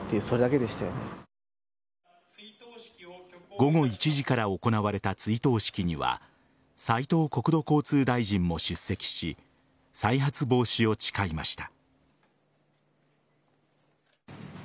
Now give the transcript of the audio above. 午後１時から行われた追悼式には斉藤国土交通大臣も出席し再発防止を誓いました。